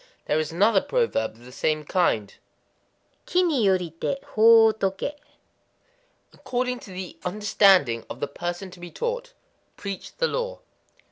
There is another proverb of the same kind,—Ki ni yorité, hō wo toké: "According to the understanding [of the person to be taught], preach the Law."